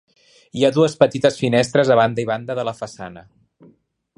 Hi ha dues petites finestres a banda i banda de la façana.